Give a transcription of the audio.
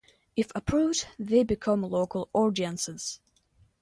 If approved, they become local ordinances.